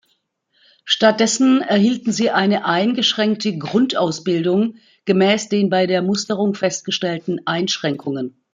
Stattdessen erhielten sie eine eingeschränkte Grundausbildung gemäß den bei der Musterung festgestellten Einschränkungen.